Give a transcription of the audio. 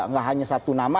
tidak hanya satu nama